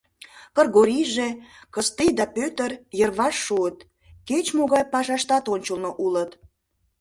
— Кыргорийже, Кыстий да Пӧтыр йырваш шуыт, кеч-могай пашаштат ончылно улыт.